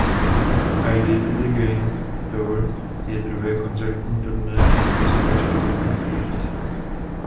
I Did It Again Tour je druhé koncertní turné americké zpěvačky Britney Spears.